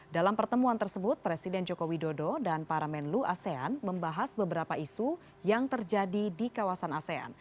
dalam pertemuan tersebut presiden joko widodo dan para menlu asean membahas beberapa isu yang terjadi di kawasan asean